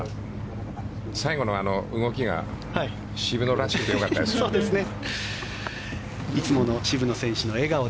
最後の動きが渋野らしくてよかったですね。